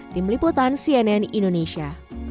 tim liputan cnn indonesia